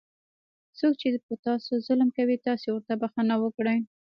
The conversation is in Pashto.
څوک چې په تاسو ظلم کوي تاسې ورته بښنه وکړئ.